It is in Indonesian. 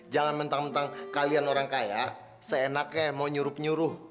jangan mentang mentang kalian orang kaya seenaknya mau nyuruh nyuruh